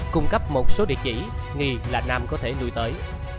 cung cấp một số địa chỉ nghi là nam có thể lùi tới